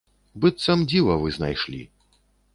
Быццам дзіва вы знайшлі.